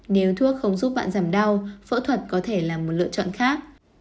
nếu thuốc không giúp bạn giảm đau phẫu thuật có thể là một lựa chọn khác